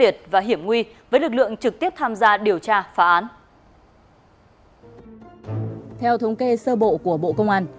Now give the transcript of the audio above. theo thống kê sơ bộ của bộ công an